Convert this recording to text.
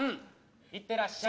行ってらっしゃい。